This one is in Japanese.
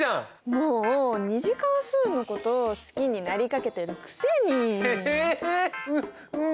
もう２次関数のこと好きになりかけてるくせに。へへううん。